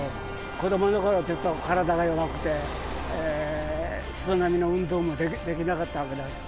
子どものころはちょっと体が弱くて、人並みの運動もできなかったわけです。